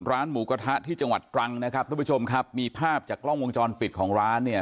ร้านหมูกระทะที่จังหวัดตรังนะครับทุกผู้ชมครับมีภาพจากกล้องวงจรปิดของร้านเนี่ย